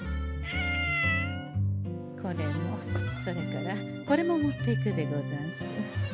これもそれからこれも持っていくでござんす。